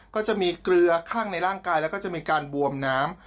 ก็จะมีเกลือข้างในร่างกายแล้วก็จะมีการบวมน้ำ